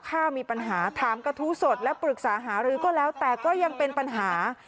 ข้าวมีปัญหาถามกระทู้สดและปรึกษาหารือก็แล้วแต่ก็ยังเป็นปัญหา